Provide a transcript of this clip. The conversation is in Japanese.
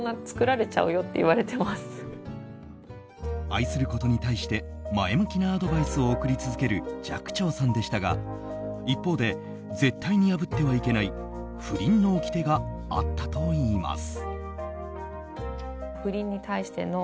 愛することに対して前向きなアドバイスを送り続ける寂聴さんでしたが一方で絶対に破ってはいけない不倫のおきてがあったといいます。